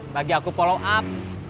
lagi aku follow up